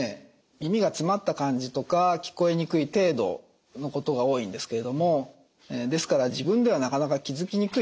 耳が詰まった感じとか聞こえにくい程度のことが多いんですけれどもですから自分ではなかなか気付きにくいと。